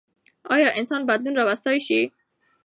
ايا انسانان بدلون راوستلی شي؟